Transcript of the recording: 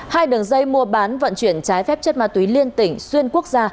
hai đường dây mua bán vận chuyển trái phép chất ma túy liên tỉnh xuyên quốc gia